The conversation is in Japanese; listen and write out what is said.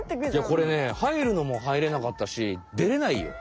これね入るのも入れなかったしでれないよ。